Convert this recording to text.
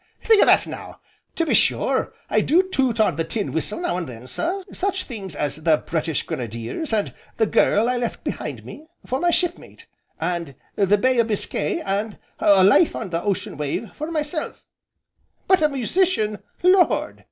think o' that now! To be sure, I do toot on the tin whistle now and then, sir, such things as 'The British Grenadiers,' and the 'Girl I left behind me,' for my shipmate, and 'The Bay o' Biscay,' and 'A Life on the Ocean Wave,' for myself, but a musician, Lord!